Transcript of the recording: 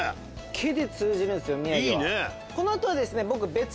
「け」で通じるんすよ宮城は。